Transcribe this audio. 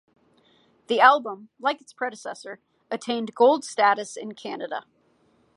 The album, like its predecessor, attained Gold status in Canada.